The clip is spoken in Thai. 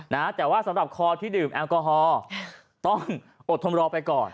นะฮะแต่ว่าสำหรับคอที่ดื่มแอลกอฮอล์ต้องอดทนรอไปก่อน